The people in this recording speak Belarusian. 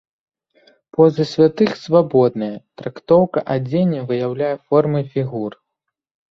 Позы святых свабодныя, трактоўка адзення выяўляе формы фігур.